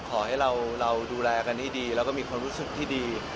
ขอให้เราดูแลกันให้ดีแล้วก็มีความรู้สึกที่ดี